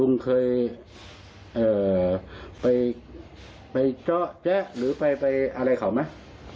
ลุงเคยไปเจาะแจ๊ะหรือไปอะไรเขาไหม